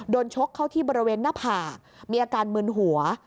ชกเข้าที่บริเวณหน้าผากมีอาการมึนหัว